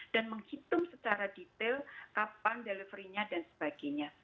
dan menghitung secara detail kapan delivery nya dan sebagainya